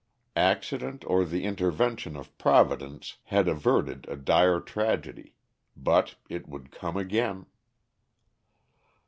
Accident or the intervention of Providence had averted a dire tragedy; but it would come again.